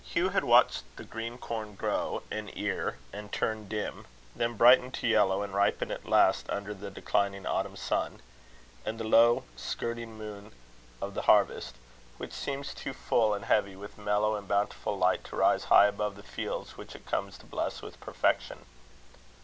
Hugh had watched the green corn grow, and ear, and turn dim; then brighten to yellow, and ripen at last under the declining autumn sun, and the low skirting moon of the harvest, which seems too full and heavy with mellow and bountiful light to rise high above the fields which it comes to bless with perfection.